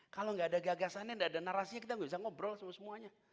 kalau gak ada gagasannya gak ada narasinya kita gak bisa ngobrol sama semuanya